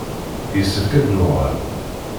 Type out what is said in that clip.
Yessefk ad d-nuɣal.